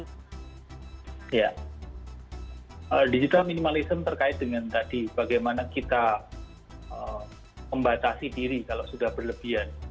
iya digital minimalism terkait dengan tadi bagaimana kita membatasi diri kalau sudah berlebihan